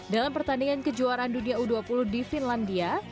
dalam pertandingan kejuaraan dunia u dua puluh di finlandia